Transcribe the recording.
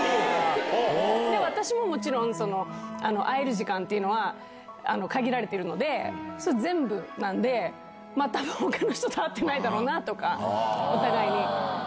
私ももちろん、会える時間というのは限られているので、全部なんで、またほかの人と会ってないだろうなとか、お互いに。